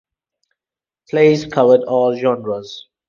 Plays covered all genres.